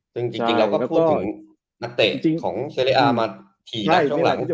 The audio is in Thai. ใช่แล้วก็จริงเราก็พูดถึงนักเตะของเซเลอร์มาถี่นักช่องหลัง